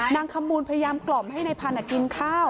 ขมูลพยายามกล่อมให้ในพันธุ์กินข้าว